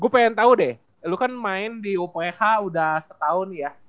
gua pengen tau deh lu kan main di upk udah setahun ya